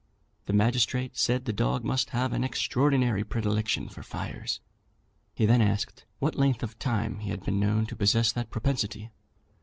The magistrate said the dog must have an extraordinary predilection for fires. He then asked what length of time he had been known to possess that propensity.